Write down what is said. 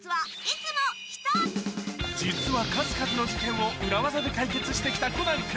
実は数々の事件をウラ技で解決して来たコナン君